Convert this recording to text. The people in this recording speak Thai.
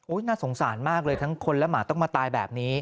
น่าสงสารมากเลยทั้งคนและหมาต้องมาตายแบบนี้